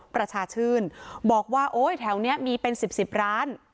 ประชาชื่นบอกว่าโอ๊ยแถวนี้มีเป็น๑๐ร้าน